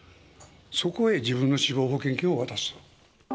そこへ、自分の死亡保険金を渡すと。